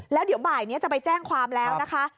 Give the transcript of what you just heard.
แล้วเดี๋ยวบ่ายนี้จะไปแจ้งความแล้วนะคะ